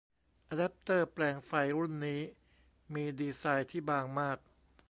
อะแดปเตอร์แปลงไฟรุ่นนี้มีดีไซน์ที่บางมาก